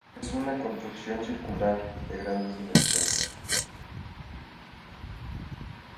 Es una construcción circular de grandes dimensiones.